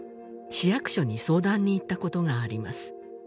市役所に相談に行ったことがあります